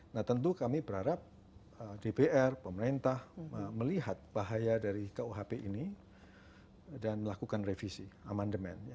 nah tentu kami berharap dpr pemerintah melihat bahaya dari kuhp ini dan melakukan revisi amandemen